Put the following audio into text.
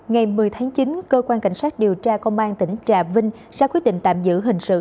ngày một mươi tháng chín cơ quan cảnh sát điều tra công an tỉnh trà vinh ra quyết định tạm giữ hình sự